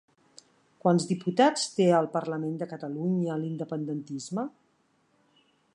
Quants diputats té al Parlament de Catalunya l'independentisme?